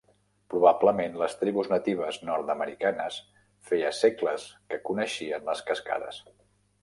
Probablement les tribus natives nord-americanes feia segles que coneixien les cascades.